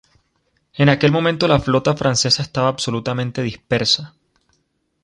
En aquel momento la flota Francesa estaba absolutamente dispersa.